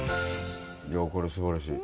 これ、すばらしい。